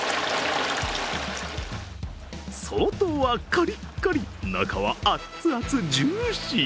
外はカリッカリ、中はアッツアツジューシー。